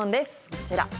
こちら。